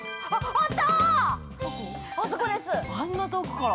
◆あんなとこから？